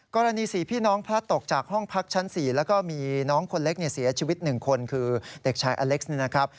กรณีสี่พี่น้องพระตกจากห้องพักชั้นสี่แล้วก็มีน้องคนเล็กเสียชีวิตหนึ่งคนคือเด็กชายอเล็กซ์นะครับ